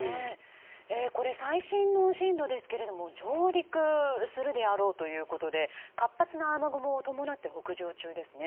最新の進路ですけれども上陸するであろうということで活発な雨雲を伴って北上中ですね。